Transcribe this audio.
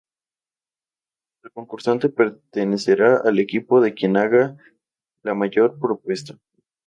El concursante pertenecerá al equipo de quien haga la mayor propuesta.